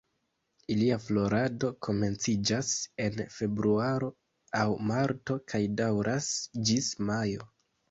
Ilia florado komenciĝas en Februaro aŭ Marto kaj daŭras ĝis Majo.